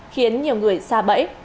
khiến nhiều người xa bẫy